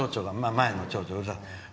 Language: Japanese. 前の町長ね。